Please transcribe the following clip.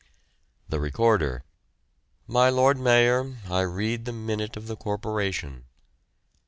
"The Recorder: My Lord Mayor, I read the minute of the Corporation.